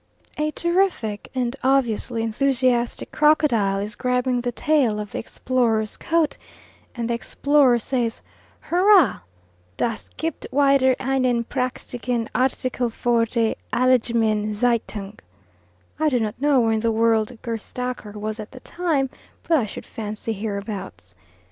A terrific and obviously enthusiastic crocodile is grabbing the tail of the explorer's coat, and the explorer says "Hurrah! das gibt wieder einen prachtigen Artikel fur Die Allgemeine Zeitung." I do not know where in the world Gerstaeker was at the time, but I should fancy hereabouts.